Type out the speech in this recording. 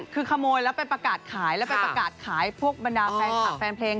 คือขโมยแล้วไปประกาศขายแล้วไปประกาศขายพวกบรรดาแฟนคลับแฟนเพลง